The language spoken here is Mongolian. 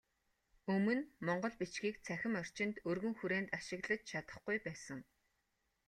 Өмнө монгол бичгийг цахим орчинд өргөн хүрээнд ашиглаж чадахгүй байсан.